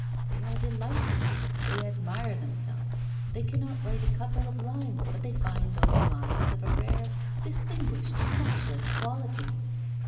They are delighted, they admire themselves, they cannot write a couple of lines but they find those lines of a rare, distinguished, matchless quality.